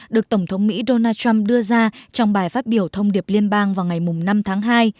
được tổng thống mỹ donald trump đưa ra trong bài phát biểu thông điệp liên bang vào ngày năm tháng hai